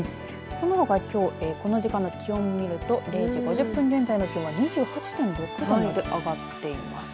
そのほか、きょうこの時間の気温を見ると０時５０分現在の気温は２８．６度まで上がっています。